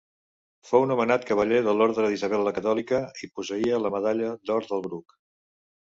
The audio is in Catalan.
Fou nomenat cavaller de l'Orde d'Isabel la Catòlica i posseïa la medalla d'or del Bruc.